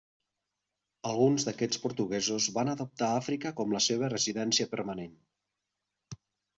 Alguns d'aquests portuguesos van adoptar Àfrica com la seva residència permanent.